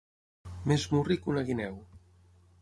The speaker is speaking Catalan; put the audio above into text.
Més murri que una guineu.